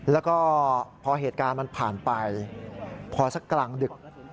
แล้วก็พอเหตุการณ์มันผ่านไปพอสักกลางดึก